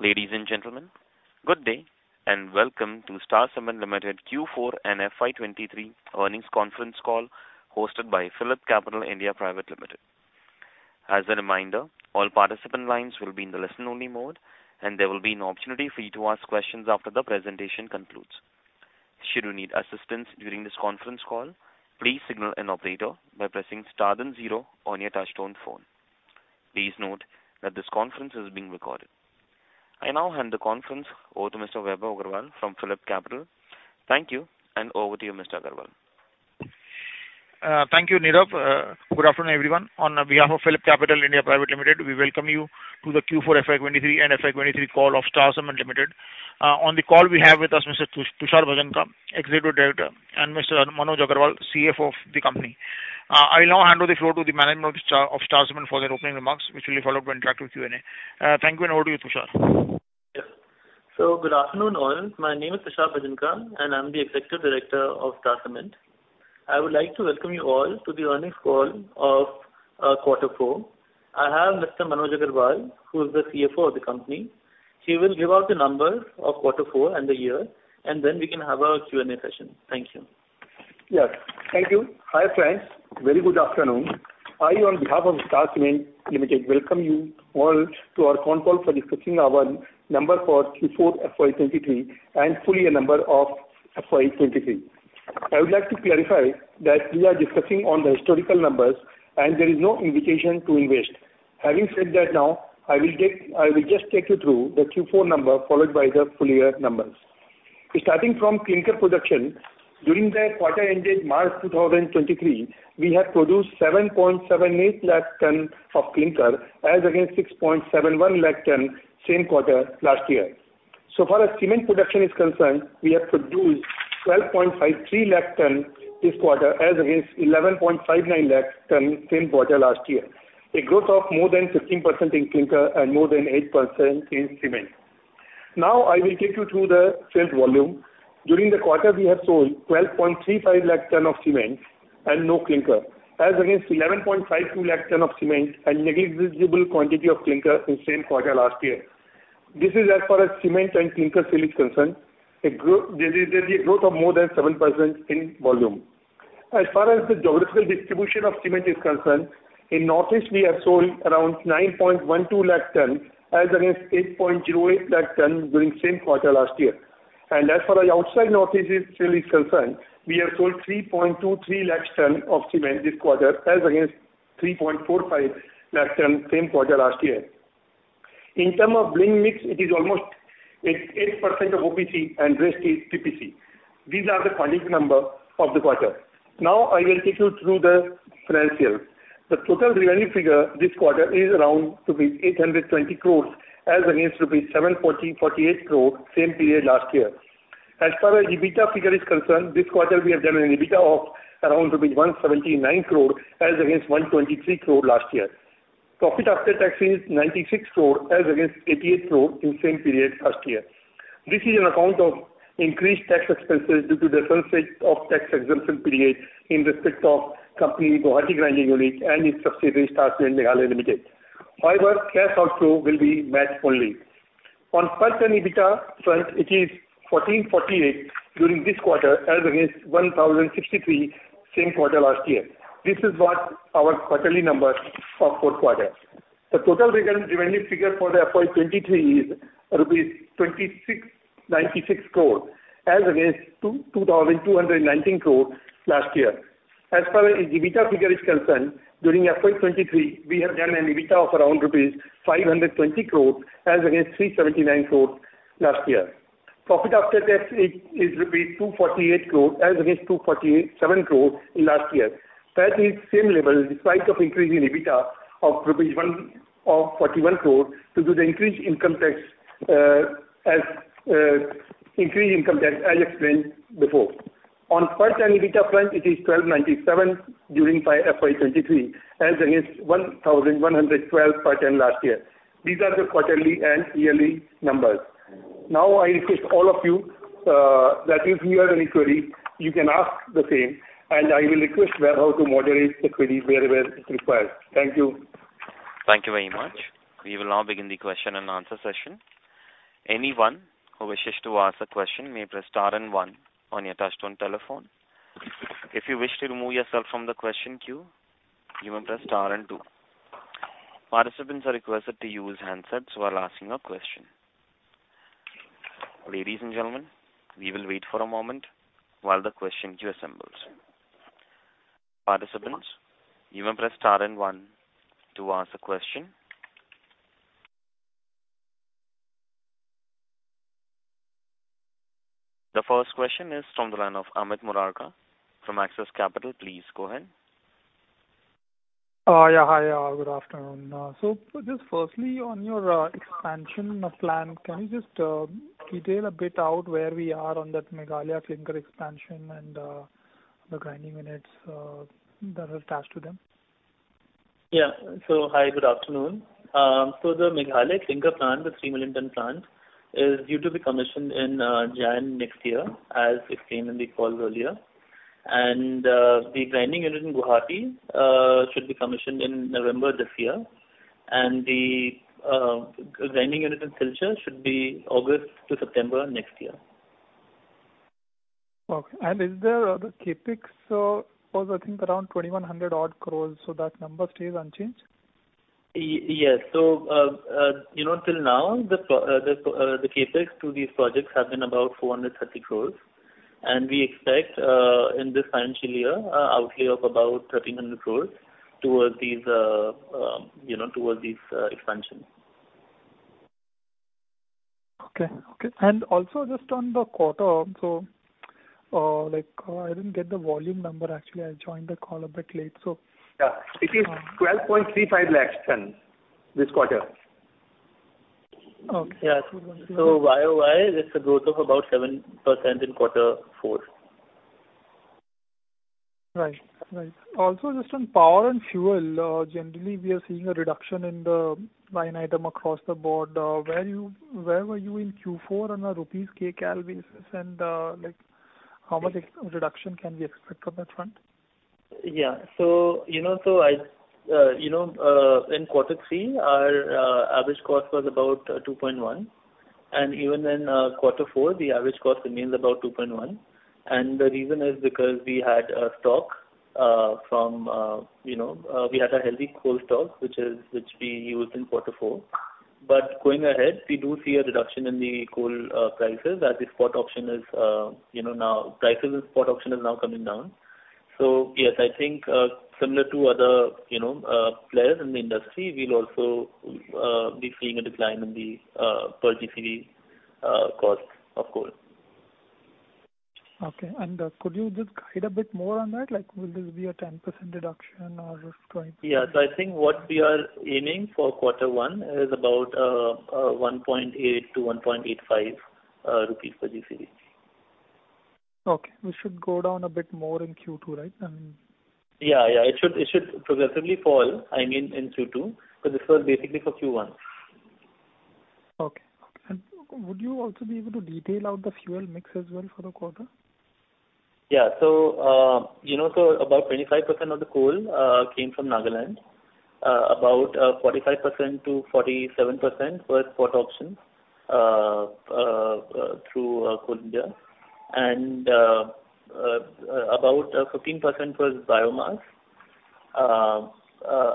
Ladies and gentlemen, good day and welcome to Star Cement Limited Q4 and FY 2023 earnings conference call hosted by PhillipCapital (India) Private Limited. As a reminder, all participant lines will be in the listen-only mode and there will be an opportunity for you to ask questions after the presentation concludes. Should you need assistance during this conference call, please signal an operator by pressing star then zero on your touch-tone phone. Please note that this conference is being recorded. I now hand the conference over to Mr. Vaibhav Agarwal from PhillipCapital. Thank you and over to you, Mr. Agarwal. Thank you, Nirav. Good afternoon, everyone. On behalf of PhillipCapital India Private Limited, we welcome you to the Q4 FY 2023 and FY 2023 call of Star Cement Limited. On the call we have with us Mr. Tushar Bhajanka, Executive Director, and Mr. Manoj Agarwal, CFO of the company. I'll now hand over the floor to the management of Star Cement for their opening remarks, which will be followed by interactive Q&A. Thank you and over to you, Tushar. Yes. So good afternoon all. My name is Tushar Bhajanka and I'm the Executive Director of Star Cement. I would like to welcome you all to the earnings call of quarter four. I have Mr. Manoj Agarwal, who's the CFO of the company. He will give out the numbers of quarter four and the year, and then we can have a Q&A session. Thank you. Yes. Thank you. Hi friends. Very good afternoon. I on behalf of Star Cement Limited welcome you all to our phone call for discussing our numbers for Q4 FY 2023 and full year numbers of FY 2023. I would like to clarify that we are discussing on the historical numbers and there is no indication to invest. Having said that now, I will just take you through the Q4 numbers followed by the full year numbers. Starting from clinker production, during the quarter ended March 2023, we have produced 778,000 tons of clinker as against 671,000 tons same quarter last year. So far as cement production is concerned, we have produced 1,253,000 tons this quarter as against 1,159,000 tons same quarter last year. A growth of more than 15% in clinker and more than 8% in cement. Now I will take you through the sales volume. During the quarter we have sold 12.35 lakh tons of cement and no clinker as against 11.52 lakh tons of cement and negligible quantity of clinker in same quarter last year. This is as far as cement and clinker sale is concerned. There is a growth of more than 7% in volume. As far as the geographical distribution of cement is concerned, in Northeast we have sold around 9.12 lakh tons as against 8.08 lakh tons during same quarter last year. And as far as outside Northeast sale is concerned, we have sold 3.23 lakh tons of cement this quarter as against 3.45 lakh tons same quarter last year. In terms of blending mix, it is almost 8% of OPC and rest is PPC. These are the quantity number of the quarter. Now I will take you through the financials. The total revenue figure this quarter is around 820 crores as against rupees 740.48 crores same period last year. As far as EBITDA figure is concerned, this quarter we have done an EBITDA of around 179 crores as against 123 crores last year. Profit after tax is 96 crores as against 88 crores in same period last year. This is an account of increased tax expenses due to the sunset of tax exemption period in respect of company Guwahati Grinding Unit and its subsidiary Star Cement Meghalaya Limited. However, cash outflow will be matched only. On per-ton EBITDA front, it is 1,448 during this quarter as against 1,063 same quarter last year. This is what our quarterly numbers of Q4. The total revenue figure for the FY 2023 is INR. 2,696 crores as against 2,219 crores last year. As far as EBITDA figure is concerned, during FY 2023 we have done an EBITDA of around rupees 520 crores as against 379 crores last year. Profit after tax is rupees 248 crores as against 247 crores last year. That is same level despite of increase in EBITDA of rupees 141 crores due to the increased income tax, as, increased income tax as explained before. On per-ton EBITDA front, it is 1,297 during FY 2023 as against 1,112 per-ton last year. These are the quarterly and yearly numbers. Now I request all of you, that if you have any query, you can ask the same and I will request Vaibhav to moderate the query wherever it requires. Thank you. Thank you very much. We will now begin the question and answer session. Anyone who wishes to ask a question may press star and one on your touch-tone telephone. If you wish to remove yourself from the question queue, you may press star and two. Participants are requested to use handsets while asking a question. Ladies and gentlemen, we will wait for a moment while the question queue assembles. Participants, you may press star and one to ask a question. The first question is from the line of Amit Murarka from Axis Capital. Please go ahead. Yeah. Hi all. Good afternoon. So just firstly on your expansion plan, can you just detail a bit out where we are on that Meghalaya clinker expansion and the grinding units that are attached to them? Yeah. So hi. Good afternoon. So the Meghalaya clinker plant, the 3 million ton plant, is due to be commissioned in January next year as explained in the call earlier. The grinding unit in Guwahati should be commissioned in November this year. The grinding unit in Silchar should be August to September next year. Okay. Is there other CapEx? It was, I think, around 2,100-odd crores. That number stays unchanged? Yes. So, you know, till now the CapEx to these projects have been about 430 crore. And we expect, in this financial year, outlay of about 1,300 crore towards these, you know, towards these expansions. Okay. Okay. And also just on the quarter, so, like, I didn't get the volume number actually. I joined the call a bit late. So. Yeah. It is 1,235,000 tons this quarter. Okay. Yeah. So YOY, that's a growth of about 7% in quarter four. Right. Right. Also, just on power and fuel, generally we are seeing a reduction in the line item across the board. Where were you in Q4 on an Rs./kcal basis and, like, how much expected reduction can we expect on that front? Yeah. So, you know, so I, you know, in quarter three our average cost was about 2.1. And even in quarter four the average cost remains about 2.1. And the reason is because we had stock from, you know, we had a healthy coal stock which is which we used in quarter four. But going ahead we do see a reduction in the coal prices as the spot option is, you know, now prices in spot option is now coming down. So yes, I think similar to other, you know, players in the industry we'll also be seeing a decline in the per GCV cost of coal. Okay. Could you just guide a bit more on that? Like, will this be a 10% reduction or 20%? Yeah. So I think what we are aiming for quarter one is about 1.8-1.85 rupees per GCV. Okay. We should go down a bit more in Q2, right? I mean. Yeah. Yeah. It should progressively fall. I mean in Q2 because this was basically for Q1. Okay. Okay. Would you also be able to detail out the fuel mix as well for the quarter? Yeah. So, you know, so about 25% of the coal came from Nagaland. About 45%-47% was spot auction through Coal India. And about 15% was biomass,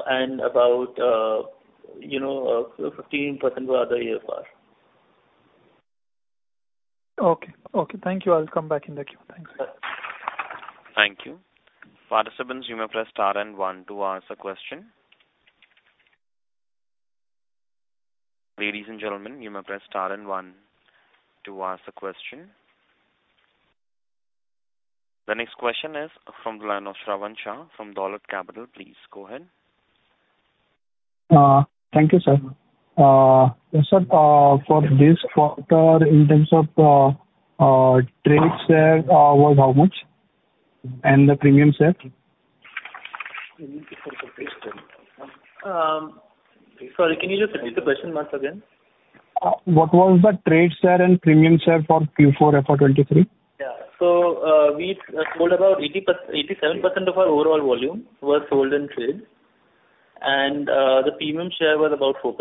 and about, you know, 15% were other AFRs. Okay. Okay. Thank you. I'll come back in the queue. Thanks. Thank you. Participants, you may press star and one to ask a question. Ladies and gentlemen, you may press star and one to ask a question. The next question is from the line of Shravan Shah from Dolat Capital. Please go ahead. Thank you, sir. Yes, sir. For this quarter in terms of trade sales, was how much? And the non-trade sales? Sorry. Can you just repeat the question once again? What was the trade sales and non-trade sales for Q4 FY 2023? Yeah. So, we sold about 80%-87% of our overall volume was sold and traded. The premium share was about 4%.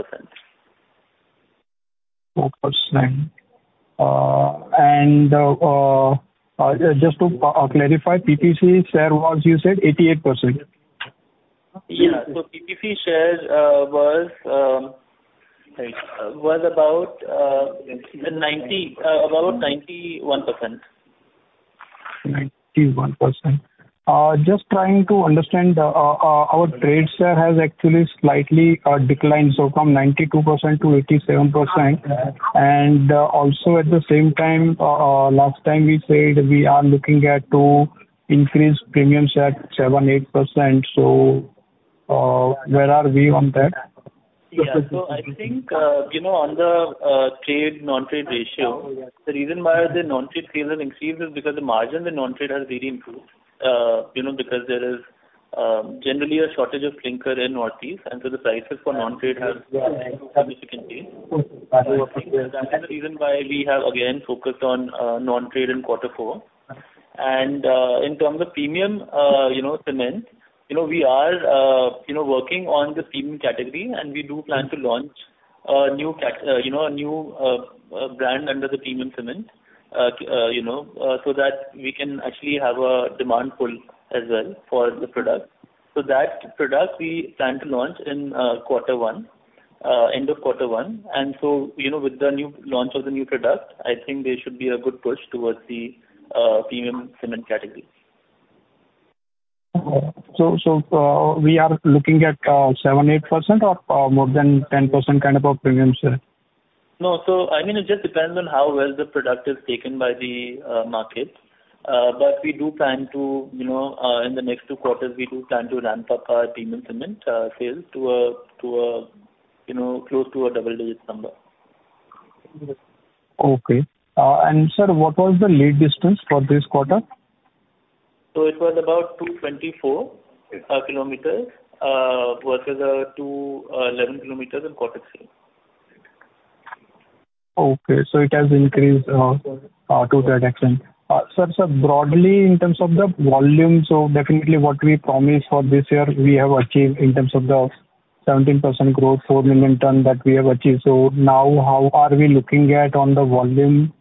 4%. And, just to clarify, PPC share was, you said, 88%? Yeah. So PPC share was about 90 about 91%. 91%. Just trying to understand, our trade sales has actually slightly declined. So from 92% to 87%. And, also at the same time, last time we said we are looking at to increase non-trade sales 7%-8%. So, where are we on that? Yeah. So I think, you know, on the trade/non-trade ratio, the reason why the non-trade sales have increased is because the margin the non-trade has really improved, you know, because there is generally a shortage of clinker in the Northeast and so the prices for non-trade have significantly increased. That is the reason why we have again focused on non-trade in quarter four. And in terms of premium cement, you know, we are you know working on the premium category and we do plan to launch a new category, you know, a new brand under the premium cement category, you know, so that we can actually have a demand pull as well for the product. So that product we plan to launch in quarter one, end of quarter one. And so, you know, with the new launch of the new product, I think there should be a good push towards the premium cement category. Okay. So, we are looking at 7%-8% or more than 10% kind of a premium set? No. So I mean it just depends on how well the product is taken by the market. But we do plan to, you know, in the next two quarters we do plan to ramp up our premium cement sales to a, you know, close to a double-digit number. Okay. Sir, what was the lead distance for this quarter? It was about 224 kilometers versus 211 kilometers in quarter three. Okay. So it has increased, to that extent. Sir, so broadly in terms of the volume, so definitely what we promised for this year we have achieved in terms of the 17% growth, 4 million tons that we have achieved. So now how are we looking at on the volume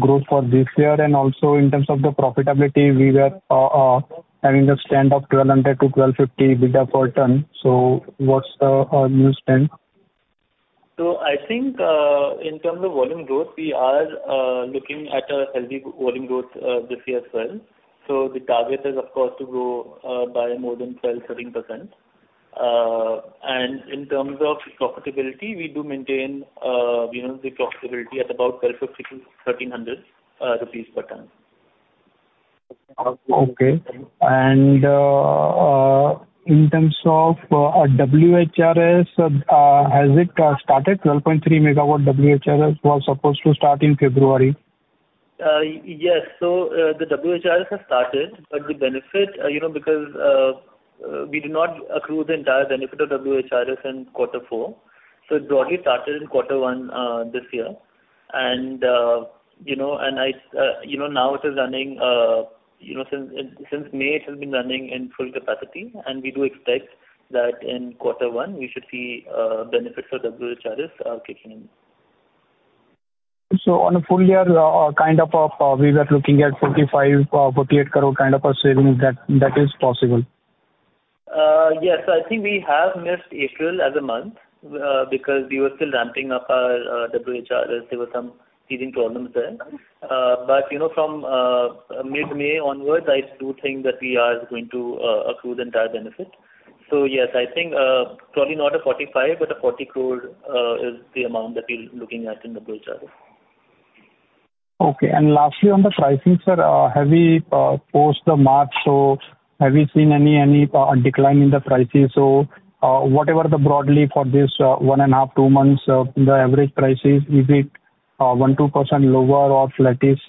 growth for this year? And also in terms of the profitability we were having a stand of 1,200-1,250 EBITDA per ton. So what's the new stand? So I think, in terms of volume growth we are looking at a healthy volume growth this year as well. So the target is, of course, to grow by more than 12%-13%. And in terms of profitability we do maintain, you know, the profitability at about 1,250-1,300 rupees per ton. Okay. And in terms of WHRS, has it started? 12.3 MW WHRS was supposed to start in February. Yes. So, the WHRS has started but the benefit, you know, because we did not accrue the entire benefit of WHRS in quarter four. So it broadly started in quarter one, this year. And, you know, and I, you know, now it is running, you know, since May it has been running in full capacity and we do expect that in quarter one we should see benefits of WHRS kicking in. On a full year, kind of a, we were looking at 45 crore-48 crore kind of a savings that is possible? Yes. I think we have missed April as a month, because we were still ramping up our WHRS. There were some seizing problems there. But, you know, from mid-May onwards I do think that we are going to accrue the entire benefit. So yes, I think probably not 45 crore but 40 crore is the amount that we're looking at in WHRS. Okay. And lastly on the pricing, sir, have we posted March so have we seen any, any, decline in the prices? So whatever the broadly for this 1.5-2 months, the average prices is it 1%-2% lower or flattest?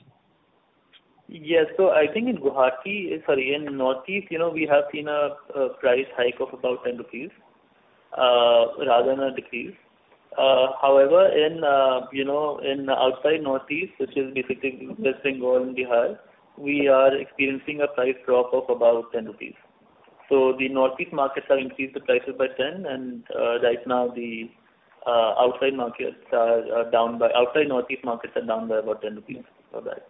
Yes. So I think in Guwahati sorry, in Northeast, you know, we have seen a price hike of about 10 rupees, rather than a decrease. However, in, you know, in outside Northeast which is basically West Bengal and Bihar we are experiencing a price drop of about 10 rupees. So the Northeast markets have increased the prices by 10 and, right now the, outside markets are, down by outside Northeast markets are down by about 10 rupees for that.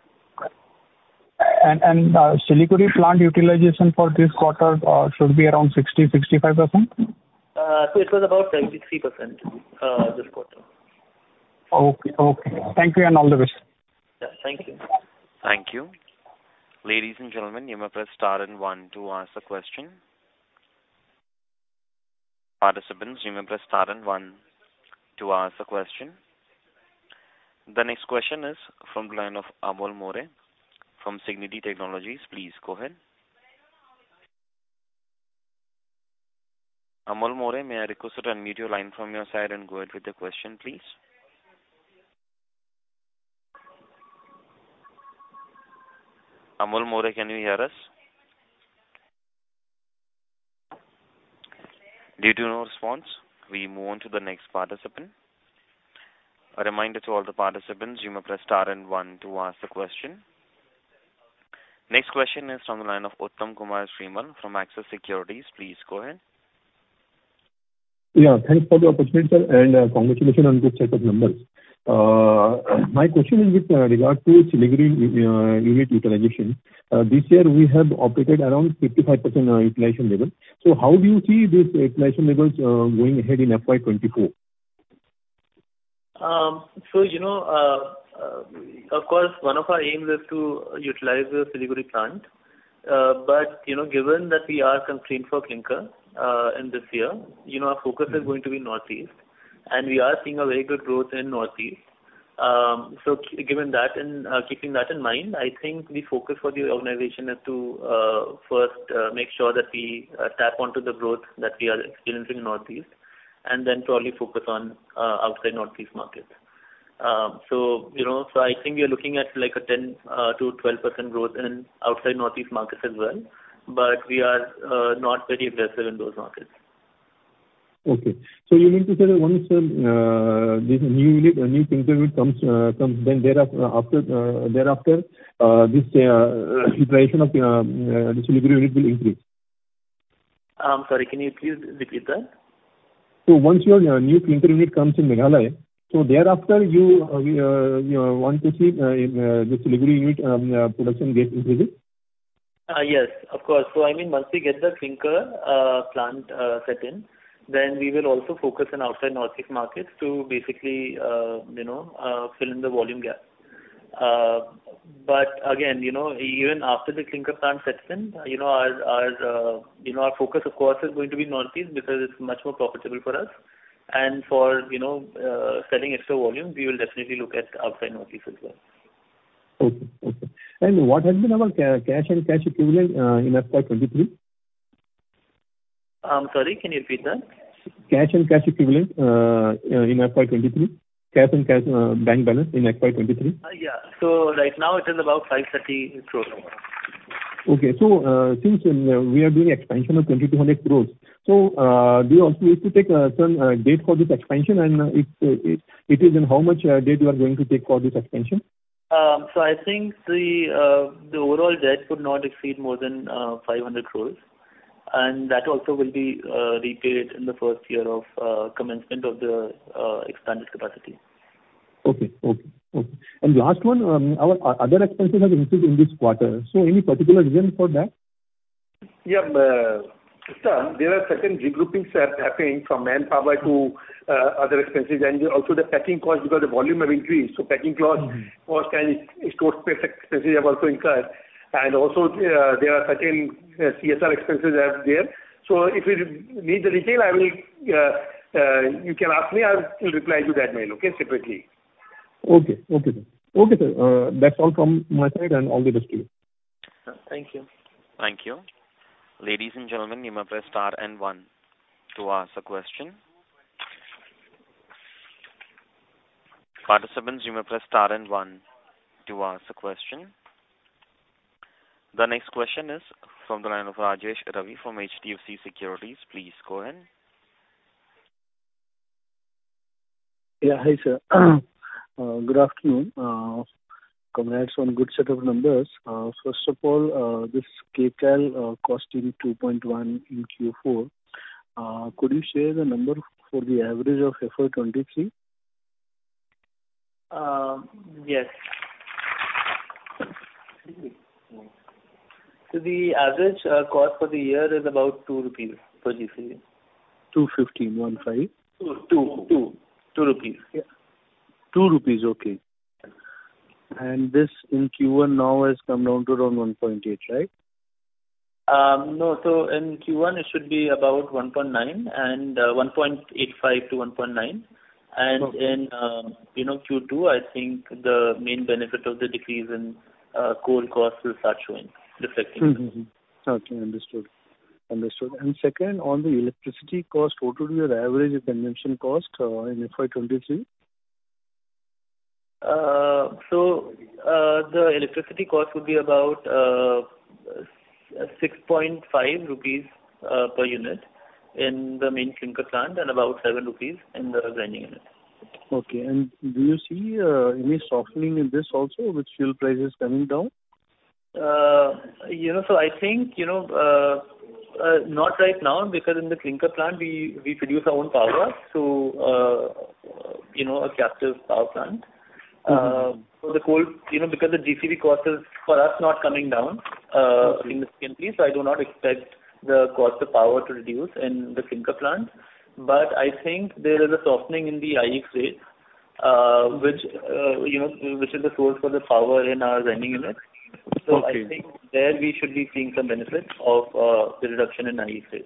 Siliguri plant utilization for this quarter should be around 60%-65%? It was about 73%, this quarter. Okay. Okay. Thank you and all the best. Yeah. Thank you. Thank you. Ladies and gentlemen, you may press star and one to ask a question. Participants, you may press star and one to ask a question. The next question is from the line of Amol More from Singularity AMC. Please go ahead. Amol More, may I request to unmute your line from your side and go ahead with the question, please? Amol More, can you hear us? Due to no response we move on to the next participant. A reminder to all the participants, you may press star and one to ask a question. Next question is from the line of Uttam Kumar Srimal from Axis Securities Limited. Please go ahead. Yeah. Thanks for the opportunity, sir, and congratulations on good set of numbers. My question is with regard to silicon unit utilization. This year we have operated around 55% utilization level. So how do you see these utilization levels going ahead in FY 2024? So, you know, of course one of our aims is to utilize the silicon plant. But, you know, given that we are constrained for clinker in this year, you know, our focus is going to be Northeast and we are seeing a very good growth in Northeast. So, given that and, keeping that in mind, I think the focus for the organization is to, first, make sure that we tap onto the growth that we are experiencing in Northeast and then probably focus on outside Northeast markets. So, you know, so I think we are looking at like a 10%-12% growth in outside Northeast markets as well, but we are not very aggressive in those markets. Okay. So you mean to say that once this new unit, a new clinker unit, comes, then thereafter, this utilization of the silicon unit will increase? Sorry. Can you please repeat that? So once your new clinker unit comes in Meghalaya, so thereafter we, you know, want to see in the Silicon unit production get increased? Yes. Of course. So I mean once we get the clinker plant set in then we will also focus on outside Northeast markets to basically, you know, fill in the volume gap. But again, you know, even after the clinker plant sets in, you know, our, our, you know, our focus, of course, is going to be Northeast because it's much more profitable for us. And for, you know, selling extra volume we will definitely look at outside Northeast as well. Okay. Okay. And what has been our cash and cash equivalent, in FY 2023? Sorry. Can you repeat that? Cash and cash equivalents in FY 2023? Cash and cash, bank balance in FY 2023? Yeah. So right now it is about INR 530 crore. Okay. So, since we are doing expansion of 2,200 crore, so, do you also need to take a certain date for this expansion and is in how much date you are going to take for this expansion? I think the overall debt could not exceed more than 500 crore. And that also will be repaid in the first year of commencement of the expanded capacity. Okay. Okay. Okay. And last one, our other expenses have increased in this quarter. So any particular reason for that? Yeah. Sir, there are certain regroupings that are happening from manpower to other expenses and also the packing cost because the volume have increased. So packing cost, cost and storage space expenses have also incurred. And also, there are certain CSR expenses that are there. So if you need the detail I will, you can ask me. I will reply to that mail, okay, separately. Okay. Okay, sir. Okay, sir. That's all from my side and all the rest to you. Thank you. Thank you. Ladies and gentlemen, you may press star and one to ask a question. Participants, you may press star and one to ask a question. The next question is from the line of Rajesh Ravi from HDFC Securities. Please go ahead. Yeah. Hi, sir. Good afternoon. Congrats on good set of numbers. First of all, this kcal, costing 2.1 in Q4. Could you share the number for the average of FY 2023? Yes. So the average cost for the year is about 2 rupees for GCV. 215, 15? 2, 2, 2. INR 2 Yeah. 2 rupees. Okay. And this in Q1 now has come down to around 1.8, right? No. So in Q1 it should be about 1.9 and 1.85 to 1.9. And in, you know, Q2 I think the main benefit of the decrease in coal costs will start showing, reflecting in the. Mm-hmm. Okay. Understood. Understood. And second, on the electricity cost, what would be your average of consumption cost, in FY 2023? The electricity cost would be about 6.5 rupees per unit in the main clinker plant and about 7 rupees in the grinding unit. Okay. And do you see any softening in this also with fuel prices coming down? You know, so I think, you know, not right now because in the clinker plant we produce our own power. So, you know, a captive power plant. For the coal, you know, because the GCV cost is for us not coming down significantly, so I do not expect the cost of power to reduce in the clinker plant. But I think there is a softening in the IEX rate, which, you know, which is the source for the power in our grinding unit. So I think there we should be seeing some benefit of the reduction in IEX rate.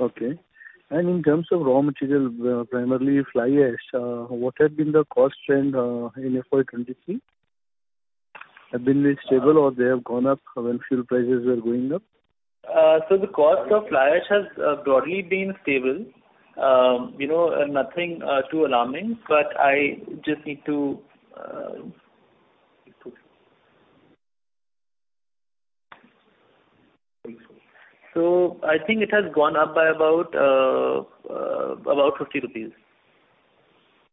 Okay. And in terms of raw material, primarily fly ash, what has been the cost trend in FY 2023? Have been they stable or they have gone up when fuel prices were going up? So the cost of fly ash has broadly been stable. You know, nothing too alarming, but I just need to. So I think it has gone up by about 50 rupees.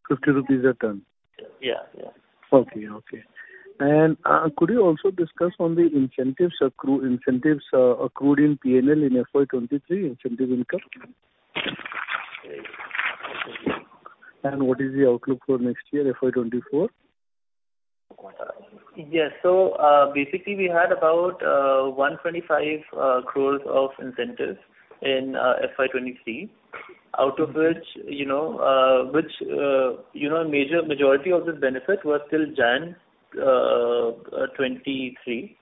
50 rupees a ton? Yeah. Yeah. Could you also discuss on the incentives accrued in P&L in FY 2023, incentive income? What is the outlook for next year, FY 2024? Yes. So, basically we had about 125 crores of incentives in FY 2023 out of which, you know, which, you know, a major majority of this benefit was still January 2023.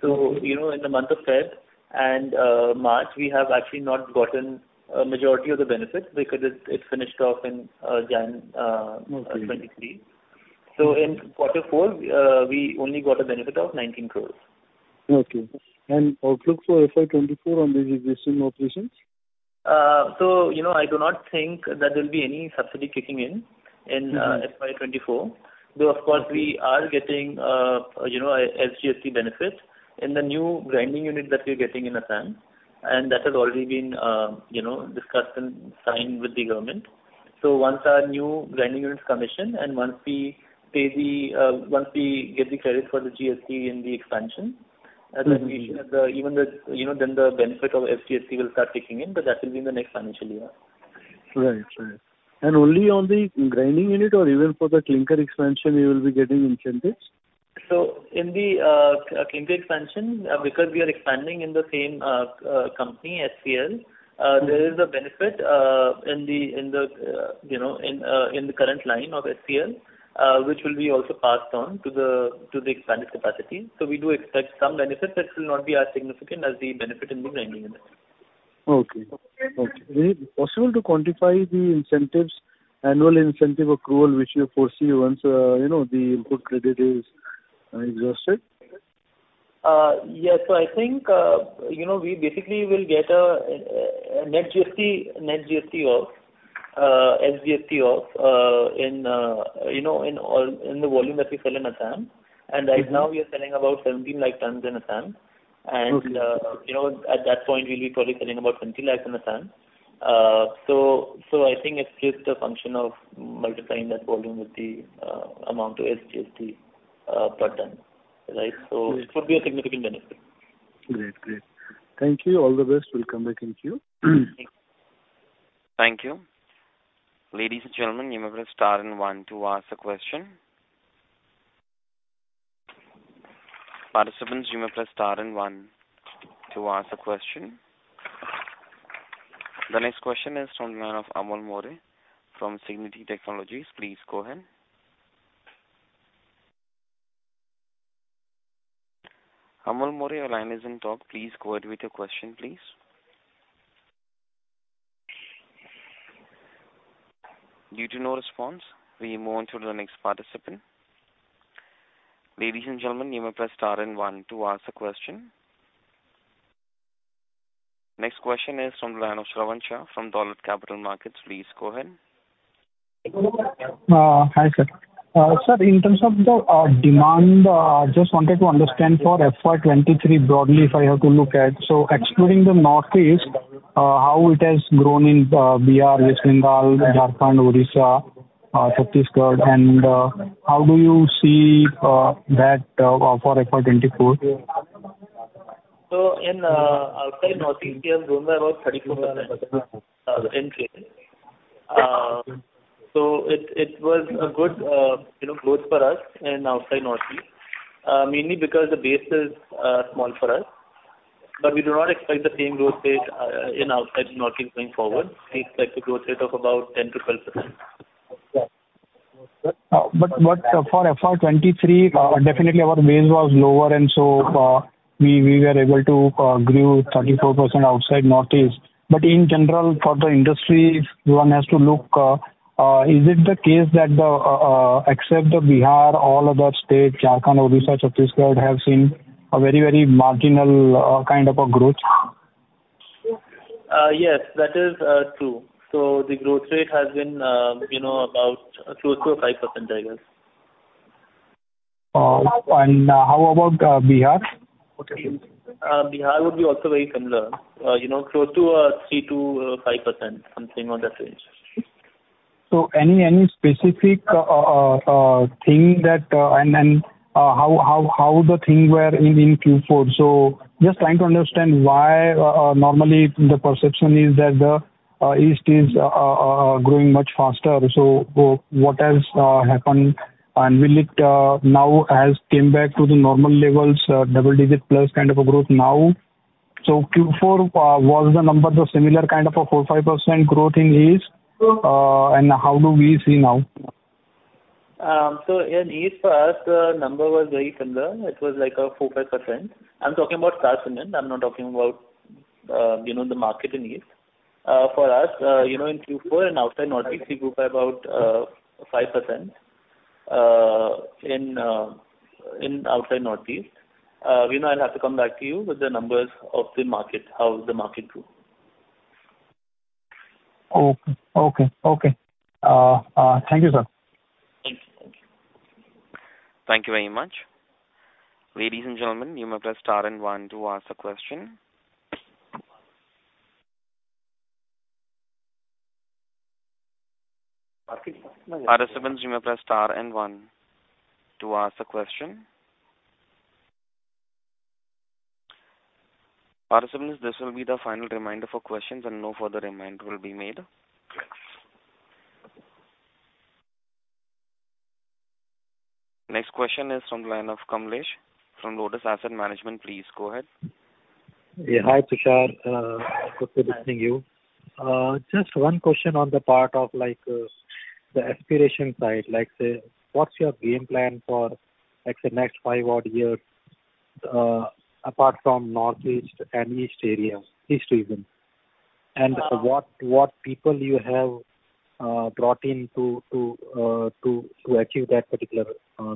So, you know, in the month of February and March we have actually not gotten a majority of the benefit because it, it finished off in January 2023. So in quarter four, we only got a benefit of 19 crores. Okay. Outlook for FY 2024 on these existing operations? So, you know, I do not think that there'll be any subsidy kicking in in FY 2024. Though, of course, we are getting, you know, a SGST benefit in the new grinding unit that we're getting in Assam and that has already been, you know, discussed and signed with the government. So once our new grinding unit's commissioned and once we pay the, once we get the credit for the GST in the expansion, then we should have the even the, you know, then the benefit of SGST will start kicking in but that will be in the next financial year. Right. Right. And only on the grinding unit or even for the clinker expansion you will be getting incentives? So in the clinker expansion, because we are expanding in the same company, SCL, there is a benefit in the, you know, in the current line of SCL, which will be also passed on to the expanded capacity. So we do expect some benefits that will not be as significant as the benefit in the grinding unit. Okay. Okay. Is it possible to quantify the incentives, annual incentive accrual which you foresee once, you know, the input credit is exhausted? Yes. So I think, you know, we basically will get a net GST off, SGST off, in, you know, in all the volume that we sell in Assam. And right now we are selling about 1,700,000 tons in Assam and, you know, at that point we'll be probably selling about 2,000,000 in Assam. So I think it's just a function of multiplying that volume with the amount of SGST per ton, right? So it would be a significant benefit. Great. Great. Thank you. All the best. We'll come back in queue. Thank you. Thank you. Ladies and gentlemen, you may press star and one to ask a question. Participants, you may press star and one to ask a question. The next question is from the line of Amol More from Singularity AMC. Please go ahead. Amol More, your line is in talk. Please go ahead with your question, please. Due to no response we move on to the next participant. Ladies and gentlemen, you may press star and one to ask a question. Next question is from the line of Shravan Shah from Dolat Capital. Please go ahead. Hi, sir. Sir, in terms of the demand, I just wanted to understand for FY 2023 broadly if I have to look at. So excluding the Northeast, how it has grown in BR, West Bengal, Jharkhand, Odisha, Chhattisgarh, and how do you see that for FY 2024? So in outside Northeast here grown by about 34%, in trade. So it was a good, you know, growth for us in outside Northeast, mainly because the base is small for us. But we do not expect the same growth rate in outside Northeast going forward. We expect a growth rate of about 10%-12%. But for FY 2023, definitely our base was lower and so we were able to grow 34% outside Northeast. But in general for the industry, one has to look. Is it the case that, except Bihar, all other states, Jharkhand, Odisha, Chhattisgarh, have seen a very, very marginal kind of a growth? Yes. That is true. So the growth rate has been, you know, about close to 5%, I guess. How about Bihar? Okay. Bihar would be also very similar. You know, close to a 3%-5%, something on that range. So any specific thing that and how things were in Q4? So just trying to understand why normally the perception is that the East is growing much faster. So what has happened and will it now has came back to the normal levels, double-digit plus kind of a growth now? So Q4 was the number the similar kind of a 4%-5% growth in East, and how do we see now? In East for us the number was very similar. It was like a 4%-5%. I'm talking about Star Cement. I'm not talking about, you know, the market in East. For us, you know, in Q4 outside Northeast we grew by about 5%, in, in outside Northeast. You know, I'll have to come back to you with the numbers of the market, how the market grew. Okay. Okay. Okay. Thank you, sir. Thank you. Thank you very much. Ladies and gentlemen, you may press star and one to ask a question. Market? Participants, you may press star and one to ask a question. Participants, this will be the final reminder for questions and no further reminder will be made. Yes. Next question is from the line of Kamlesh from Lotus Asset Managers. Please go ahead. Yeah. Hi, Tushar. Good to be seeing you. Just one question on the part of, like, the aspiration side. Like, say, what's your game plan for, like, say, next five-odd years, apart from Northeast and East area, East region? And what people you have brought in to achieve that particular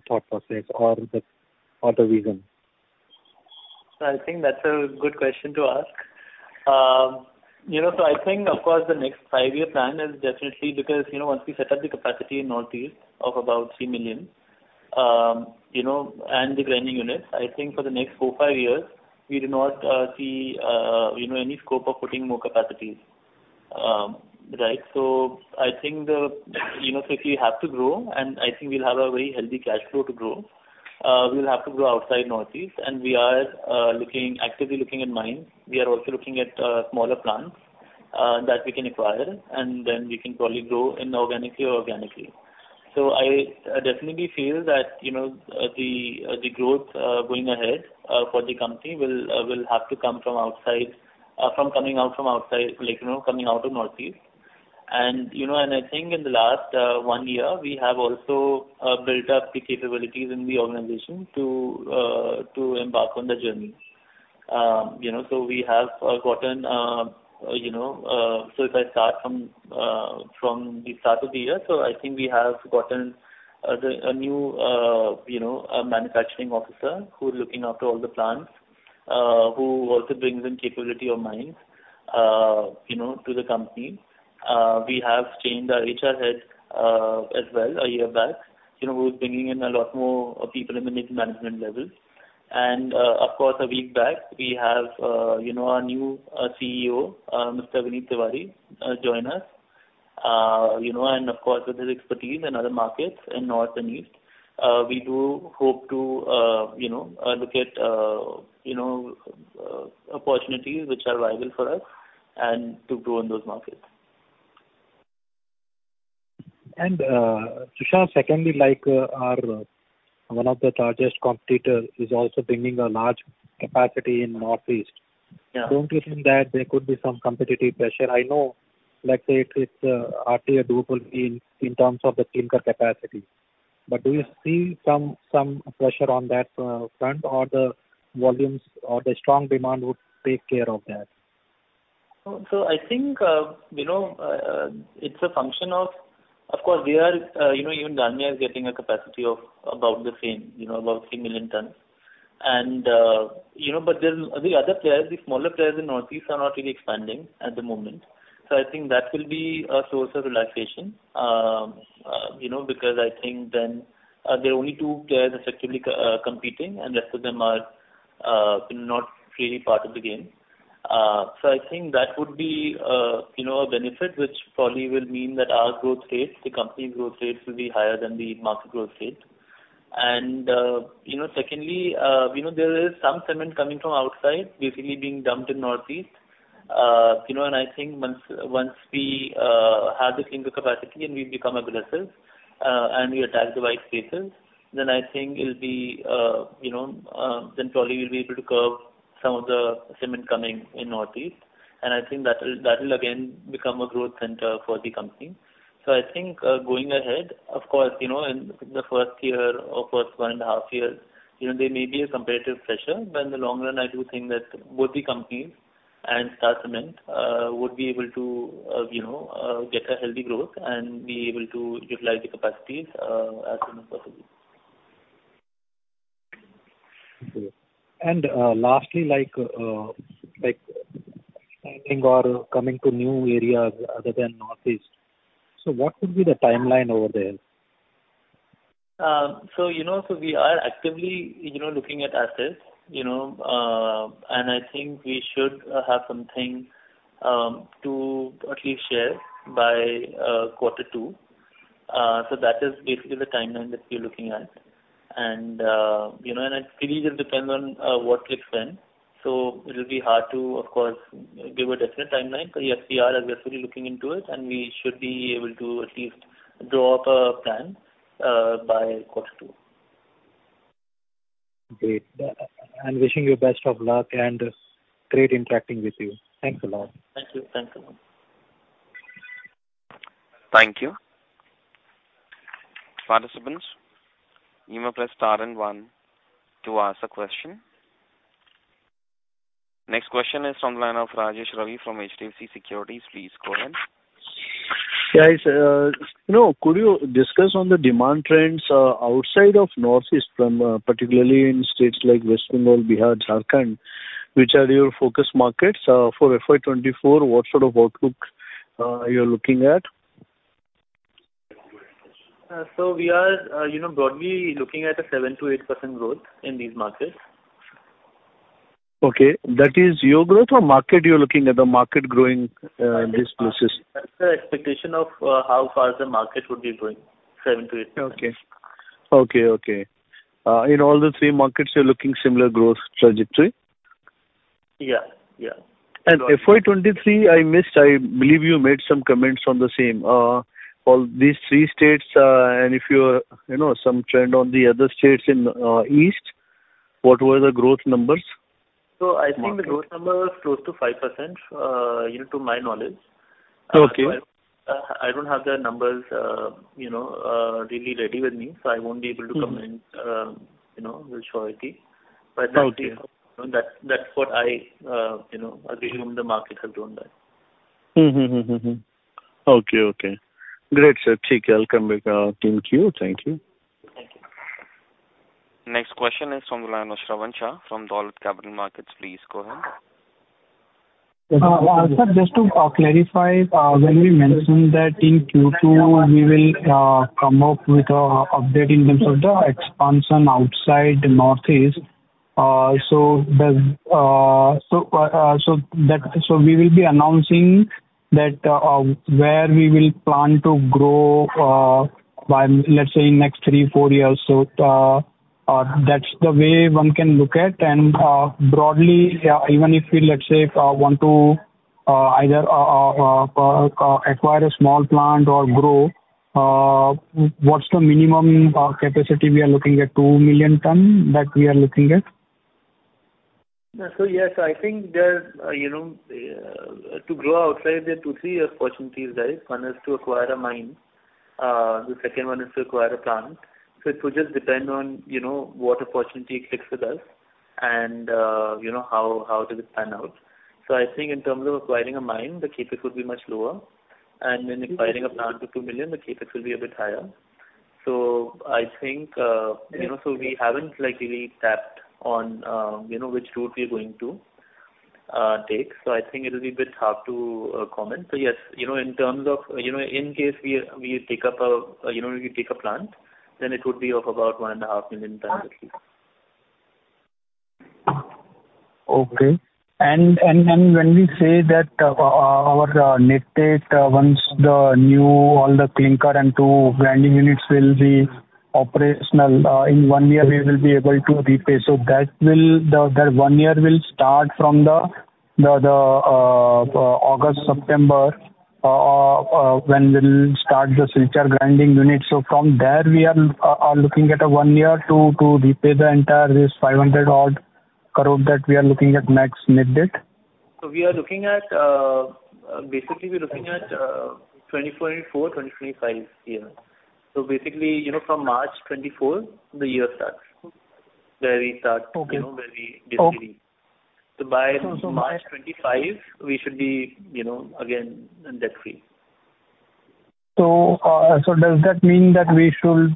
thought process or the reason? So I think that's a good question to ask. You know, so I think, of course, the next five-year plan is definitely because, you know, once we set up the capacity in Northeast of about 3 million, you know, and the grinding units, I think for the next four, five years we do not see, you know, any scope of putting more capacities, right? So I think the, you know, so if we have to grow and I think we'll have a very healthy cash flow to grow, we'll have to grow outside Northeast and we are actively looking at mines. We are also looking at smaller plants that we can acquire and then we can probably grow inorganically or organically. So I definitely feel that, you know, the growth going ahead for the company will have to come from outside, from coming out from outside, like, you know, coming out of Northeast. And you know, and I think in the last one year we have also built up the capabilities in the organization to embark on the journey. You know, so we have gotten, you know, so if I start from the start of the year, so I think we have gotten a new, you know, manufacturing officer who's looking after all the plants, who also brings in capability of mines, you know, to the company. We have changed our HR head as well a year back, you know, who's bringing in a lot more people in the mid-management level. And, of course, a week back we have, you know, our new CEO, Mr. Vinit Tiwari joined us, you know, and of course with his expertise in other markets in north and east, we do hope to, you know, look at, you know, opportunities which are viable for us and to grow in those markets. Tushar, secondly, like, our one of the largest competitors is also bringing a large capacity in Northeast. Yeah. Don't you think that there could be some competitive pressure? I know, like, say, it's hardly a Dalmia in terms of the clinker capacity. But do you see some pressure on that front or the volumes or the strong demand would take care of that? Oh, so I think, you know, it's a function of, of course, we are, you know, even Dalmia is getting a capacity of about the same, you know, about 3 million tons. And, you know, but there's the other players, the smaller players in Northeast are not really expanding at the moment. So I think that will be a source of relaxation, you know, because I think then, there are only two players effectively, competing and the rest of them are, you know, not really part of the game. So I think that would be, you know, a benefit which probably will mean that our growth rates, the company's growth rates will be higher than the market growth rate. You know, secondly, you know, there is some cement coming from outside basically being dumped in Northeast, you know, and I think once we have the clinker capacity and we become aggressive, and we attack the white spaces, then I think it'll be, you know, then probably we'll be able to curb some of the cement coming in Northeast and I think that'll again become a growth center for the company. So I think, going ahead, of course, you know, in the first year or first one and a half years, you know, there may be a competitive pressure but in the long run I do think that both the companies and Star Cement would be able to, you know, get a healthy growth and be able to utilize the capacities as soon as possible. Okay. And, lastly, like, like, finding or coming to new areas other than Northeast, so what would be the timeline over there? So, you know, we are actively, you know, looking at assets, you know, and I think we should have something to at least share by quarter two. So that is basically the timeline that we're looking at, you know, and it really just depends on what clicks when. So it'll be hard to, of course, give a definite timeline, but yes, we are aggressively looking into it, and we should be able to at least draw up a plan by quarter two. Great. Wishing you best of luck and great interacting with you. Thanks a lot. Thank you. Thanks a lot. Thank you. Participants, you may press star and one to ask a question. Next question is from the line of Rajesh Ravi from HDFC Securities. Please go ahead. Guys, you know, could you discuss on the demand trends outside of Northeast from, particularly in states like West Bengal, Bihar, Jharkhand, which are your focus markets, for FY 2024, what sort of outlook you're looking at? We are, you know, broadly looking at a 7%-8% growth in these markets. Okay. That is your growth or market you're looking at, the market growing, in these places? That's the expectation of how far the market would be going, 7%-8%. In all the three markets you're looking similar growth trajectory? Yeah. Yeah. FY 2023, I missed. I believe you made some comments on the same. All these three states, and if you're, you know, some trend on the other states in east, what were the growth numbers? I think the growth number was close to 5%, you know, to my knowledge. I don't have the numbers, you know, really ready with me so I won't be able to comment, you know, with certainty. But that's, you know, that's, that's what I, you know, assume the market has grown by. Mm-hmm. Mm-hmm. Mm-hmm. Okay. Okay. Great, sir. ठीक है। I'll come back, Team Q. Thank you. Thank you. Next question is from the line of Shravan Shah from Dolat Capital Markets. Please go ahead. Sir, just to clarify, when we mentioned that in Q2 we will come up with an update in terms of the expansion outside Northeast, so that we will be announcing that, where we will plan to grow by, let's say, next 3-4 years. So, that's the way one can look at and, broadly, even if we, let's say, want to either acquire a small plant or grow, what's the minimum capacity we are looking at, 2 million ton that we are looking at? Yeah. So yes, I think there's, you know, to grow outside there are two or three opportunities, right? One is to acquire a mine, the second one is to acquire a plant. So it would just depend on, you know, what opportunity clicks with us and, you know, how, how does it pan out. So I think in terms of acquiring a mine, the CapEx would be much lower and then acquiring a plant of 2 million, the CapEx will be a bit higher. So I think, you know, so we haven't, like, really tapped on, you know, which route we're going to take. So I think it'll be a bit hard to comment. So yes, you know, in terms of, you know, in case we, we take up a, you know, we take a plant, then it would be of about 1.5 million ton at least. Okay. And when we say that, our next debt, once the new all the clinker and two grinding units will be operational, in one year we will be able to repay. So that one year will start from the August, September, when we'll start the Silchar grinding unit. So from there we are looking at one year to repay the entire this 500-odd crore that we are looking at next debt. We are looking at, basically we're looking at, 2024, 2025 year. So basically, you know, from March 2024 the year starts where we start, you know, where we distribute. So by March 2025 we should be, you know, again debt-free. So, does that mean that we should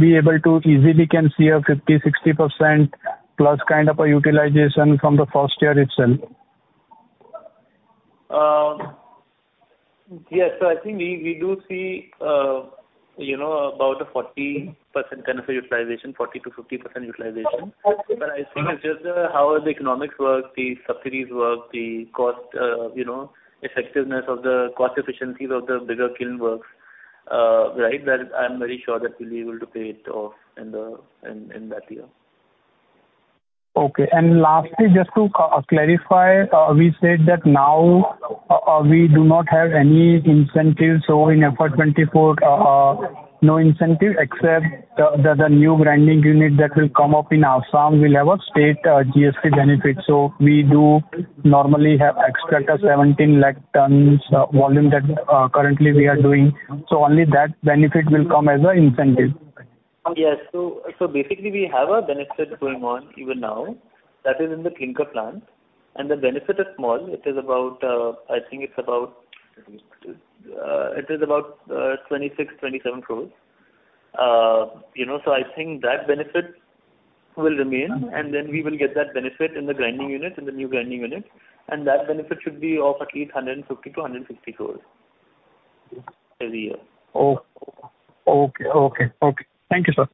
be able to easily can see a 50%-60% plus kind of a utilization from the first year itself? Yes. So I think we do see, you know, about a 40% kind of a utilization, 40%-50% utilization. But I think it's just how the economics work, the subsidies work, the cost, you know, effectiveness of the cost efficiencies of the bigger kiln works, right, that I'm very sure that we'll be able to pay it off in the, in that year. Okay. Lastly, just to clarify, we said that now we do not have any incentives. So in FY 2024, no incentive except the new grinding unit that will come up in Assam will have a state GST benefit. So we do normally have extra 1,700,000 tons volume that currently we are doing. So only that benefit will come as an incentive. Yes. So basically we have a benefit going on even now that is in the clinker plant and the benefit is small. It is about 26-27 crores, I think, you know, so I think that benefit will remain and then we will get that benefit in the grinding unit, in the new grinding unit and that benefit should be of at least 150-160 crores every year. Oh. Okay. Okay. Okay. Thank you, sir.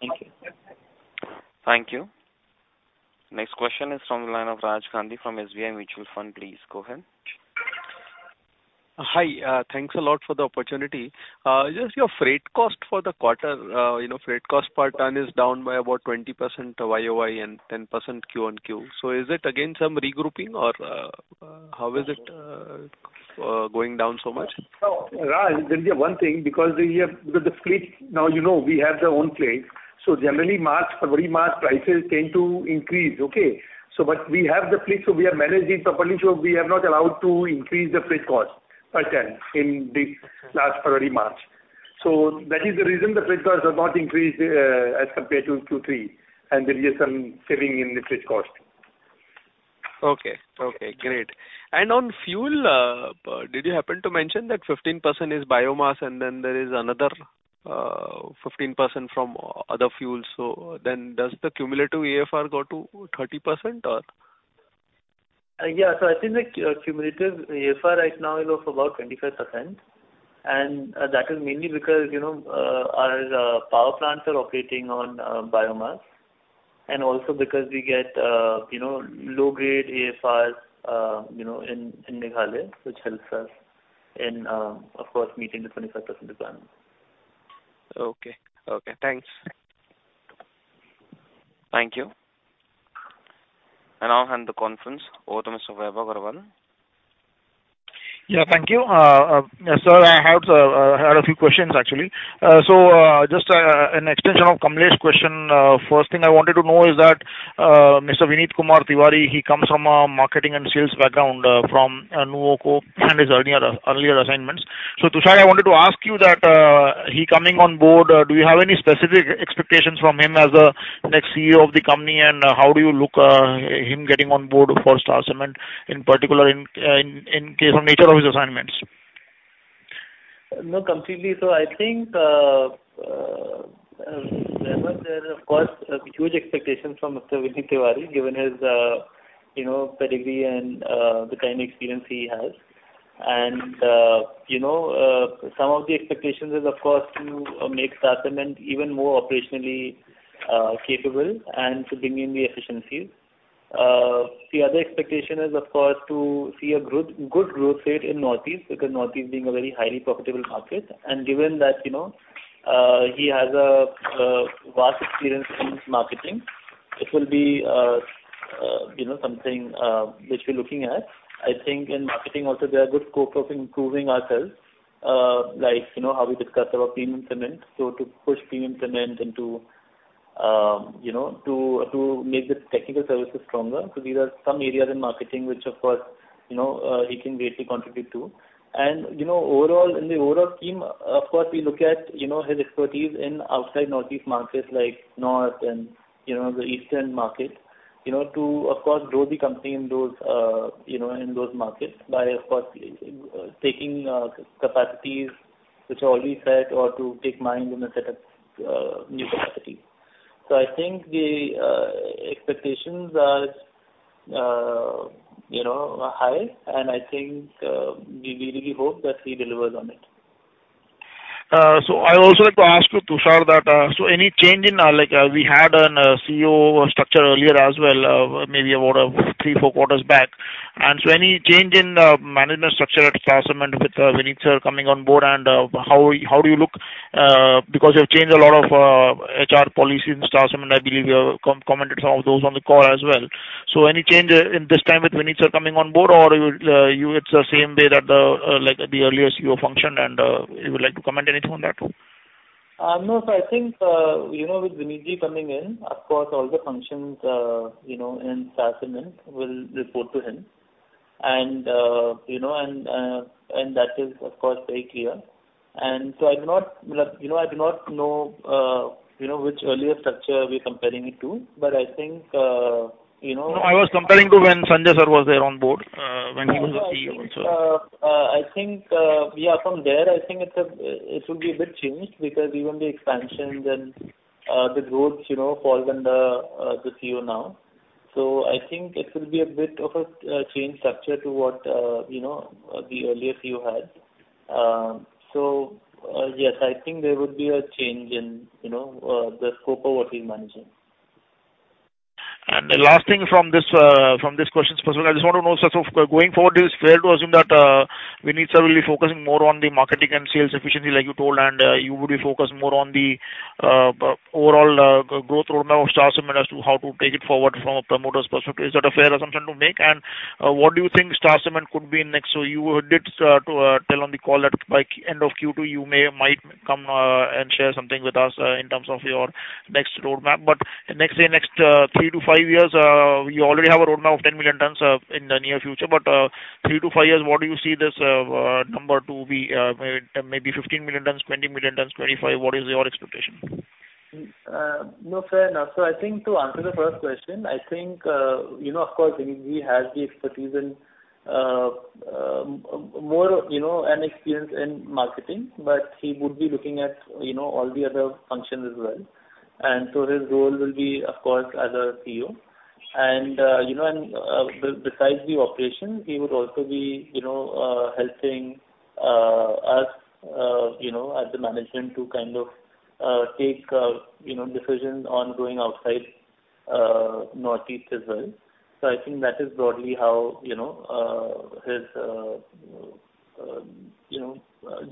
Thank you. Thank you. Next question is from the line of Raj Gandhi from SBI Mutual Fund. Please go ahead. Hi. Thanks a lot for the opportunity. Just your freight cost for the quarter, you know, freight cost per ton is down by about 20% YOY and 10% Q on Q. So is it again some regrouping or how is it going down so much? Oh, Raj, there is one thing because the year, because the fleet now, you know, we have the own fleet. So generally March, February March prices tend to increase. Okay. So but we have the fleet so we are managing properly so we have not allowed to increase the freight cost per ton in this last February, March. So that is the reason the freight costs have not increased, as compared to Q3 and there is some saving in the freight cost. Okay. Okay. Great. And on fuel, did you happen to mention that 15% is biomass and then there is another, 15% from other fuels? So then does the cumulative AFR go to 30% or? Yeah. So I think the cumulative AFR right now is of about 25% and, that is mainly because, you know, our power plants are operating on biomass and also because we get, you know, low-grade AFRs, you know, in Meghalaya which helps us in, of course, meeting the 25% requirement. Okay. Okay. Thanks. Thank you. I'll hand the conference over to Mr. Vaibhav Agarwal. Yeah. Thank you, sir. I had a few questions actually. So, just an extension of Kamlesh's question, first thing I wanted to know is that Mr. Vinit Tiwari, he comes from a marketing and sales background, from Nuvoco and his earlier assignments. So, Tushar, I wanted to ask you that, he coming on board, do you have any specific expectations from him as the next CEO of the company and how do you look, him getting on board for Star Cement in particular in case of nature of his assignments? No, completely. So I think, Vaibhav Agarwal, of course, a huge expectation from Mr. Vinit Tiwari given his, you know, pedigree and, the kind of experience he has and, you know, some of the expectations is, of course, to, make Star Cement even more operationally, capable and to bring in the efficiencies. The other expectation is, of course, to see a growth, good growth rate in Northeast because Northeast being a very highly profitable market and given that, you know, he has a, vast experience in marketing, it will be, you know, something, which we're looking at. I think in marketing also there are good scope of improving ourselves, like, you know, how we discussed about premium cement. So to push premium cement into, you know, to, to make the technical services stronger. So these are some areas in marketing which, of course, you know, he can greatly contribute to. You know, overall in the overall team, of course, we look at, you know, his expertise in outside Northeast markets like North and, you know, the Eastern market, you know, to, of course, grow the company in those, you know, in those markets by, of course, taking capacities which are already set or to take mine and then set up new capacities. So I think the expectations are, you know, high and I think we really hope that he delivers on it. So I also like to ask you, Tushar, that, so any change in, like, we had an CEO structure earlier as well, maybe about 3, 4 quarters back and so any change in management structure at Star Cement with Vineet, sir, coming on board and how do you look, because you have changed a lot of HR policies in Star Cement. I believe you have commented some of those on the call as well. So any change in this time with Vineet, sir, coming on board or you, you it's the same way that the, like, the earlier CEO functioned and you would like to comment anything on that too? No. So I think, you know, with Vineet ji coming in, of course, all the functions, you know, in Star Cement will report to him and, you know, and, and that is, of course, very clear. And so I do not, you know, I do not know, you know, which earlier structure we're comparing it to but I think, you know. No, I was comparing to when Sanjay, sir, was there on board, when he was the CEO also. I think, yeah, from there I think it's a it will be a bit changed because even the expansions and, the growth, you know, falls under the CEO now. So I think it will be a bit of a changed structure to what, you know, the earlier CEO had. So, yes, I think there would be a change in, you know, the scope of what he's managing. The last thing from this, from this question specifically, I just want to know, sir, so going forward, is fair to assume that, Vineet, sir, will be focusing more on the marketing and sales efficiency like you told and, you would be focused more on the, overall, growth roadmap of Star Cement as to how to take it forward from a promoter's perspective? Is that a fair assumption to make, and what do you think Star Cement could be in next? So you did tell on the call that by end of Q2 you may might come and share something with us in terms of your next roadmap, but next, say, next three to five years, we already have a roadmap of 10 million tons in the near future, but three to five years, what do you see this number to be, maybe 15 million tons, 20 million tons, 25? What is your expectation? No, fair enough. So I think to answer the first question, I think, you know, of course, Vineet ji has the expertise in, more, you know, and experience in marketing but he would be looking at, you know, all the other functions as well and so his role will be, of course, as a CEO and, you know, and, besides the operations, he would also be, you know, helping, us, you know, as the management to kind of, take, you know, decisions on going outside, Northeast as well. So I think that is broadly how, you know, his, you know,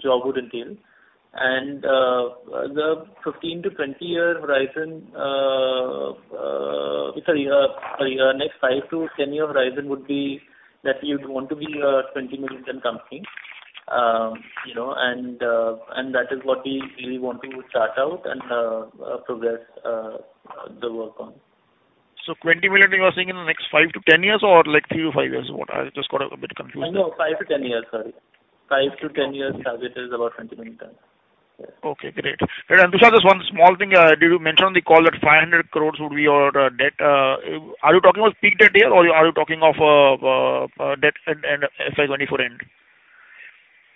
job would entail and, the 15-20-year horizon, sorry, sorry, next 5-10-year horizon would be that you'd want to be a 20 million ton company, you know, and, and that is what we really want to start out and, progress, the work on. So 20 million you are saying in the next 5-10 years or like 3-5 years? I just got a bit confused there. No, no. 5-10 years. Sorry. 5-10 years as it is about 20 million tons. Okay. Great. Great. And Tushar, just one small thing, did you mention on the call that 500 crore would be your debt? Are you talking about peak debt here or are you talking of debt and and FY 2024 end?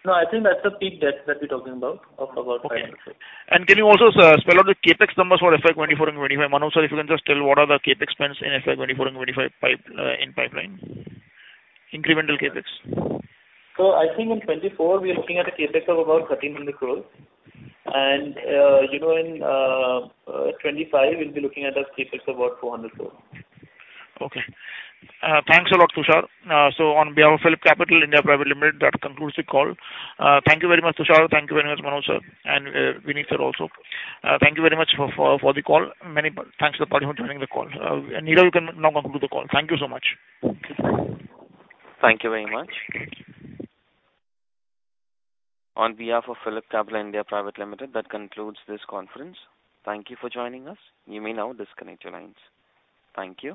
No, I think that's the peak debt that we're talking about of about 500 crore. Okay. And can you also, sir, spell out the CapEx numbers for FY 2024 and 2025? Manoj, sir, if you can just tell what are the CapEx spends in FY 2024 and 2025 pipeline, incremental CapEx? I think in 2024 we're looking at a CapEx of about 1,300 crore and, you know, in 2025 we'll be looking at a CapEx of about 400 crore. Okay. Thanks a lot, Tushar. So on behalf of PhillipCapital (India) Private Limited, that concludes the call. Thank you very much, Tushar. Thank you very much, Manoj, sir, and Vineet, sir, also. Thank you very much for the call. Many thanks to the party for joining the call. Nirav, you can now conclude the call. Thank you so much. Thank you very much. On behalf of Phillip Capital (India) Private Limited, that concludes this conference. Thank you for joining us. You may now disconnect your lines. Thank you.